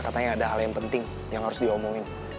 katanya ada hal yang penting yang harus diomongin